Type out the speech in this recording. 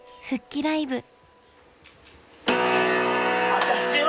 「私は」